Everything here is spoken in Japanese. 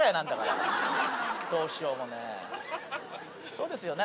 そうですよね。